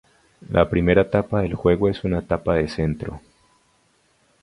La primera etapa del juego es una etapa de centro.